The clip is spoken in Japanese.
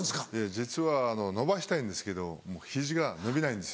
実は伸ばしたいんですけどもう肘が伸びないんです。